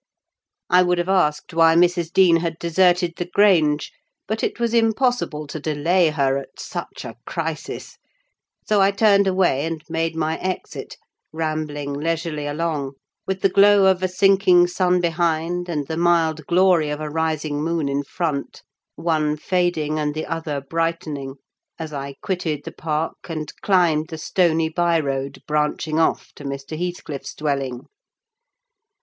I would have asked why Mrs. Dean had deserted the Grange, but it was impossible to delay her at such a crisis, so I turned away and made my exit, rambling leisurely along, with the glow of a sinking sun behind, and the mild glory of a rising moon in front—one fading, and the other brightening—as I quitted the park, and climbed the stony by road branching off to Mr. Heathcliff's dwelling.